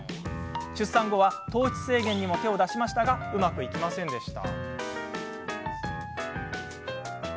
出産後は糖質制限にも手を出しましたがうまくいきませんでした。